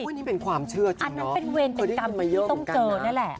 นี่เป็นความเชื่อจริงอันนั้นเป็นเวรกรรมที่ต้องเจอนั่นแหละ